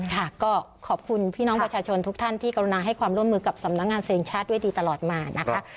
ค่ะก็ขอบคุณพี่น้องประชาชนทุกท่านที่กรุณาให้ความร่วมมือกับสำนักงานเสียงชาติด้วยดีตลอดมานะคะ